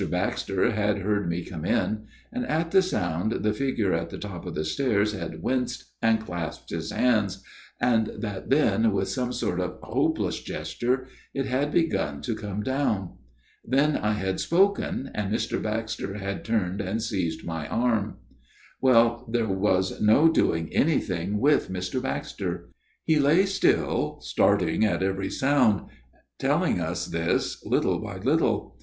Baxter had heard me come in, and at the sound the figure at the top of the stairs had winced and clasped its hands, and that then, with some sort of hopeless gesture, it had begun to come down. Then I had spoken, and Mr. Baxter had turned and seized my arm. " Well, there was no doing anything with Mr. Baxter. He lay still, starting at every sound, telling us this little by little.